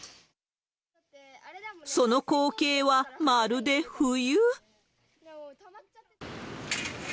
その光景は、まるで冬。